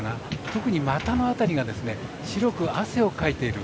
特に、股の辺りが白く、汗をかいている。